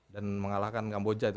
dan mengalahkan kamboja itu